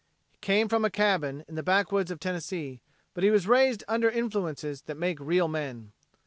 He came from a cabin in the backwoods of Tennessee but he was raised under influences that make real men.